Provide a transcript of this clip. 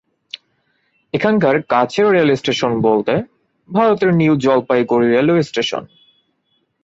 এখানকার কাছের rail station বলতে ভারত এর নিউ জলপাইগুড়ি রেলওয়ে স্টেশন।